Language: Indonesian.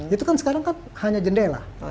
itu kan sekarang kan hanya jendela